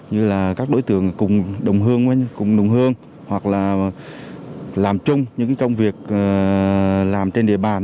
như là các đối tượng cùng đồng hương hoặc là làm chung những công việc làm trên địa bàn